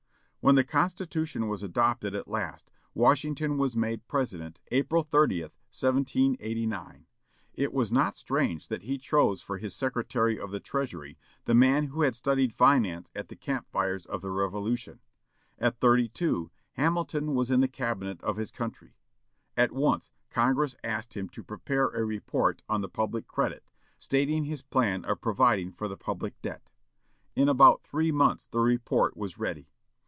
When the Constitution was adopted, at last, Washington was made President, April 30, 1789. It was not strange that he chose for his Secretary of the Treasury the man who had studied finance by the camp fires of the Revolution. At thirty two Hamilton was in the Cabinet of his country. At once Congress asked him to prepare a report on the public credit, stating his plan of providing for the public debt. In about three months the report was ready.